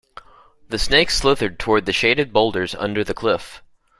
The snake slithered toward the shaded boulders under the cliff.